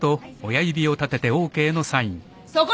そこ！